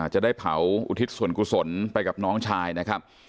จะได้เผาอุทิศส่วนกุศลไปกับน้องชายนะครับ